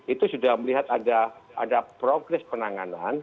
itu sudah melihat ada progres penanganan